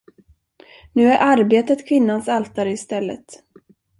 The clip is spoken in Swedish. Nu är arbetet kvinnans altare i stället.